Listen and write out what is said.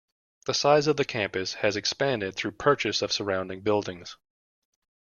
The size of the campus has expanded through purchase of surrounding buildings.